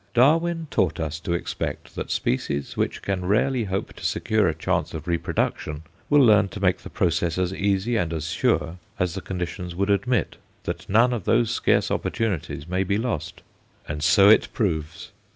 Darwin taught us to expect that species which can rarely hope to secure a chance of reproduction will learn to make the process as easy and as sure as the conditions would admit that none of those scarce opportunities may be lost. And so it proves.